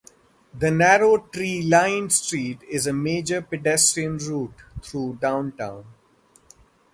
The narrow tree-lined street is a major pedestrian route through downtown.